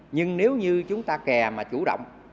nhưng nếu như chúng ta kè mà chủ động